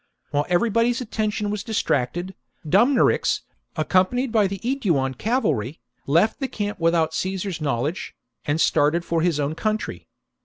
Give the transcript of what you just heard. While everybody's attisntion was distracted, Dumnorix, accompanied by the The fate of Aeduan cavalry, left the camp without Caesar's knowledge, and started for his own country.